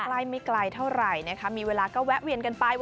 ใกล้ไม่ไกลเท่าไหร่นะคะมีเวลาก็แวะเวียนกันไป